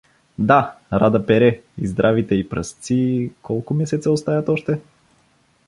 Да, Рада пере и здравите й прасци… Колко месеца остаят още?